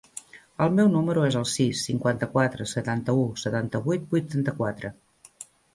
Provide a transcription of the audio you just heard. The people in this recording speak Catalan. El meu número es el sis, cinquanta-quatre, setanta-u, setanta-vuit, vuitanta-quatre.